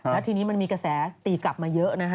แล้วทีนี้มันมีกระแสตีกลับมาเยอะนะฮะ